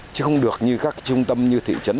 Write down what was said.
chứ không được như các trung tâm như thị trấn